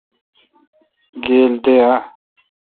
گیل دے اؘ۔